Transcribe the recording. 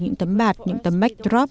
những tấm bạt những tấm backdrop